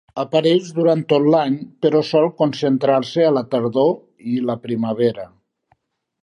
Apareix durant tot l'any però sol concentrar-se a la tardor i la primavera.